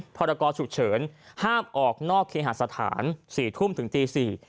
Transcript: พรกรฉุกเฉินห้ามออกนอกเคหาสถาน๔ทุ่มถึงตี๔